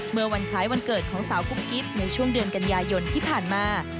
เมื่อวันคล้ายวันเกิดของสาวกุ๊บกิ๊บในช่วงเดือนกันยายนที่ผ่านมา